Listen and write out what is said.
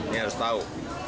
ini harus tahu